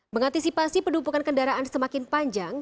mengantisipasi penumpukan kendaraan semakin panjang